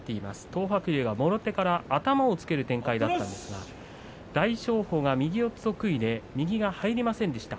東白龍はもろ手から頭をつける展開でしたが大翔鵬右四つ得意右が入りませんでした。